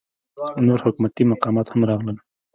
نور حکومتي مقامات هم راغلل.